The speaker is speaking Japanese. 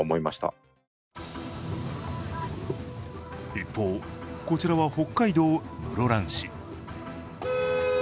一方、こちらは北海道室蘭市。